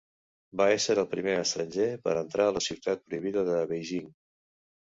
Va ésser el primer estranger per entrar a la Ciutat Prohibida de Beijing.